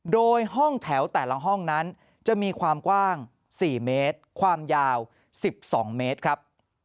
โดยห้องแถวแต่ละห้องนั้นจะมีความกว้าง๔เมตรความยาว๑๒เมตรครับ